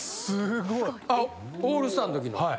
すごい！オールスターのときの。